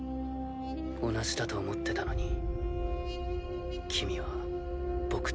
同じだと思ってたのに君は僕と。